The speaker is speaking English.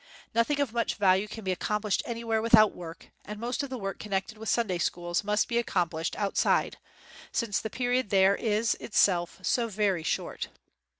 Nothing of much value can be accom plished anywhere without work, and most of the work connected with Sunday schools must be accomplished outside, since the period there is, itself, so very short.